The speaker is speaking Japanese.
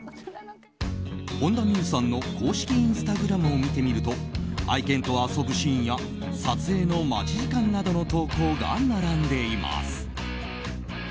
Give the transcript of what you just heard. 本田望結さんの公式インスタグラムを見てみると愛犬と遊ぶシーンや撮影の待ち時間などの投稿が並んでいます。